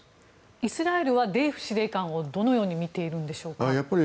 イスラエルはデイフ司令官をどのように見ているんでしょうか？